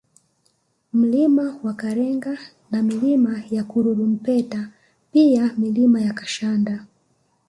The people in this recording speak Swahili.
Mlima Karenga na Milima ya Karurumpeta pia Milima ya Kashanda